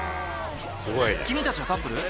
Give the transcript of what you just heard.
君たちはカップル？